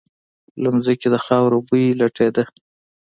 له ځمکې د خاورو بوی لټېده.